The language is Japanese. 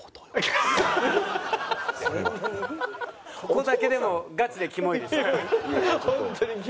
ここだけでもガチでキモイでしょ？